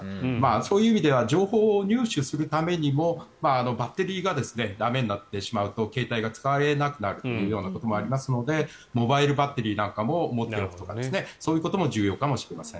そういう意味では情報を入手するためにもバッテリーが駄目になってしまうと携帯が使えなくなるようなこともありますのでモバイルバッテリーなんかも持っておくとかそういうことも重要かもしれません。